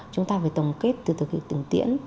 chúng ta phải tổng kết từ từ việc tửng tiễn